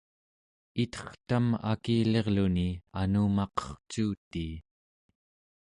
itertam akilirluni anumaqercuutii